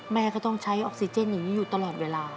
แม่ก็ต้องใช้ออซิเจนอยู่ตลอดเวลา